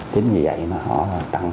chính vì vậy mà họ tăng